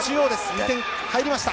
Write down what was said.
２点入りました。